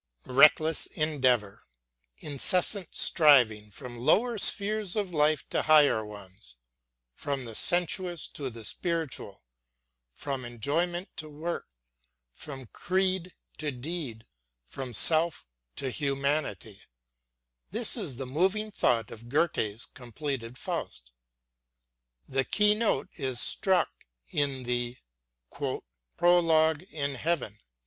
Restless endeavor, incessant striving from lower spheres of life to higher ones, from the sensuous to the spiritual, from enjoyment to work, from creed to deed, from self to humanity this is the moving thought of Goethe's completed Faust. The keynote is struck in the "Prologue in Heaven."